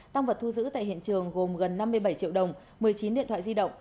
tăng vật thu giữ tại hiện trường gồm gần năm mươi bảy triệu đồng một mươi chín điện thoại di động